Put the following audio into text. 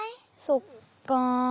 そっか。